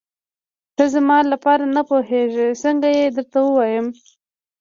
ته زما لپاره نه پوهېږم څنګه یې درته ووايم.